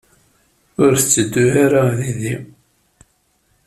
Ur tetteddu ara yid-i?